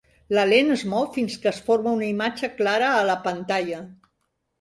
La lent es mou fins que es forma una imatge clara a la pantalla.